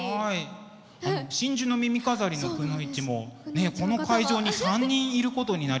真珠の耳飾りのくノ一もこの会場に３人いることになりますね